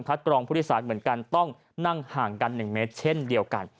กรองผู้โดยสารเหมือนกันต้องนั่งห่างกัน๑เมตรเช่นเดียวกัน